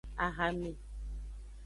Ahame.